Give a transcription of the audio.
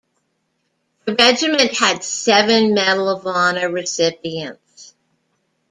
The regiment had seven Medal of Honor recipients.